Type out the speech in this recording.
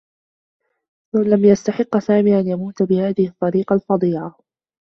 لم يستحقّ سامي أن يموت بهذه الطّريقة الفظيعة.